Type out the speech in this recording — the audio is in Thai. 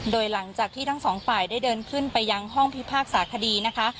โดยหลังจากที่ทั้งสองฝ่ายได้เดินขึ้นไปยังห้องพิพากษาคดีนะคะ